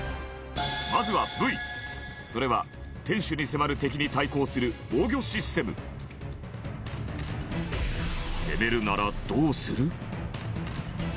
まずはＶそれは天守に迫る敵に対抗する防御システム攻めるなら、どうする？